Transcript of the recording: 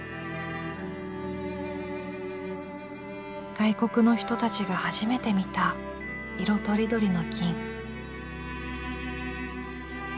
外国の人たちが初めて見た色とりどりの金。